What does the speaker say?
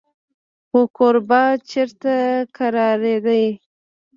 خو کوربه چېرته کرارېده.